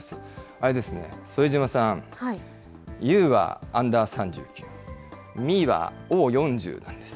あれですね、副島さん、ユーはアンダー３９、ミーはＯー４０なんです。